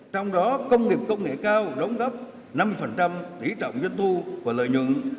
trong đó công nghiệp công nghệ cao đóng góp năm mươi tỷ trọng doanh thu và lợi nhuận